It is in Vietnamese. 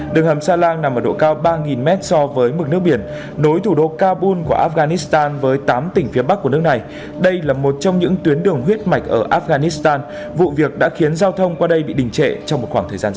đường hầm sa lan nằm ở độ cao ba m so với mực nước biển nối thủ đô kabul của afghanistan với tám tỉnh phía bắc của nước này đây là một trong những tuyến đường huyết mạch ở afghanistan vụ việc đã khiến giao thông qua đây bị đình trệ trong một khoảng thời gian dài